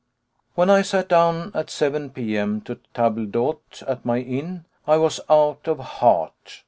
When I sat down at 7 p.m. to table d'hôte, at my inn, I was out of heart.